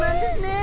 え！？